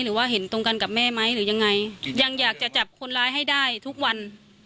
หรือว่าเห็นตรงกันกับแม่ไหมหรือยังไงยังอยากจะจับคนร้ายให้ได้ทุกวัน